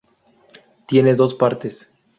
Tiene dos partes.